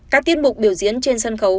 các tiết mục biểu diễn trên sân khấu